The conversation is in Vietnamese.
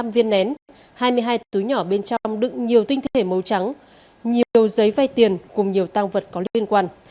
bốn mươi năm viên nén hai mươi hai túi nhỏ bên trong đựng nhiều tinh thể màu trắng nhiều giấy vay tiền cùng nhiều tang vật có liên quan